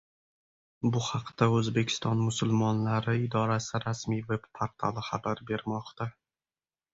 Bu haqda O‘zbekiston musulmonlari idorasi rasmiy veb-portali xabar bermoqda